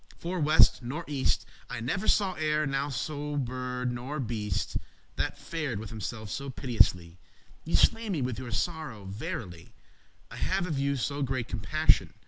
for, west nor east, yourself* I never saw ere now no bird nor beast That fared with himself so piteously Ye slay me with your sorrow verily; I have of you so great compassioun.